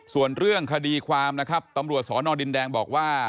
ส่วนเรื่องคดีความนะครับตำรวจสอนอดินแดงบอกว่า